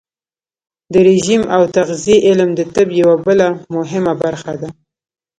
د رژیم او تغذیې علم د طب یوه بله مهمه برخه ده.